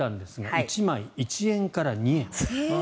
１枚、１円から２円。